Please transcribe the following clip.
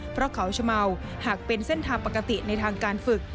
เพราะเขาชะเมาหากเป็นเส้นทางปกติในทางการฝึก